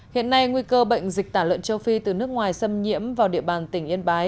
hiện nay nguy cơ bệnh dịch tả lợn châu phi từ nước ngoài xâm nhiễm vào địa bàn tỉnh yên bái